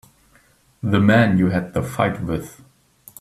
The man you had the fight with.